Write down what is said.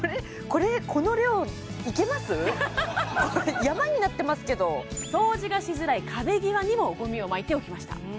これ山になってますけど掃除がしづらい壁際にもごみをまいておきました